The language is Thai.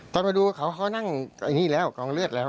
ตอนมาดูเขาเขานั่งไอ้นี่แล้วกองเลือดแล้ว